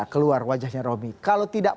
keluar wajahnya roby kalau tidak